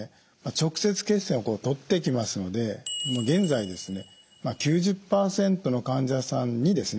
直接血栓を取っていきますので現在ですね９０％の患者さんにですね